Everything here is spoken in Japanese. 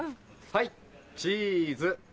はいチーズ。